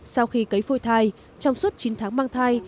sau khi cấy phôi thai trong suốt chín tháng mang thai